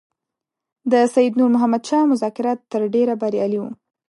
د سید نور محمد شاه مذاکرات تر ډېره بریالي وو.